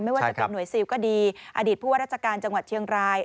ไม่ว่าจะเป็นหน่วยซิลก็ดีอดีตผู้ว่าราชการจังหวัดเชียงราย